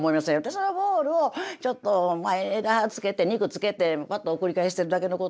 そのボールをちょっとまあ枝つけて肉つけてまた送り返してるだけのことなんで。